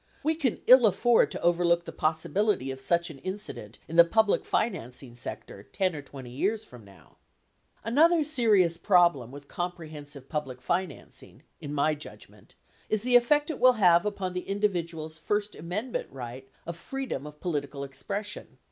We can ill afford to overlook the possibility of such an incident in the public fi nancing sector 10 or 20 years from now. Another serious problem with comprehensive public financing, in my judgment, is the effect it will have upon the individual's first amendment right of freedom of political expression.